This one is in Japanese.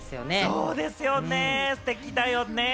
そうですよね、ステキだよね。